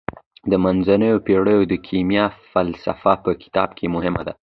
د منځنیو پیړیو د کیمیا فلسفه په کتاب کې مهمه ده.